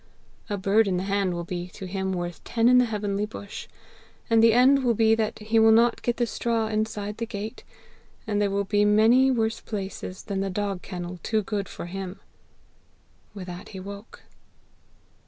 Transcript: A bird in the hand will be to him worth ten in the heavenly bush. And the end will be that he will not get the straw inside the gate, and there will be many worse places than the dog kennel too good for him!' With that he woke.